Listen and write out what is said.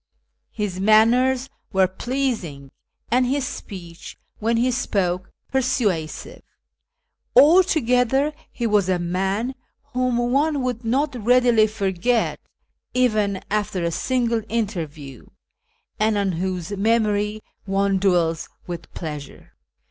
His manners were pleasing, and his speech, when he spoke, persuasive. Altogether he M as a man whom one would not readily forget, even after a single interview, and on M'hose memory one dM'ells with pleasure.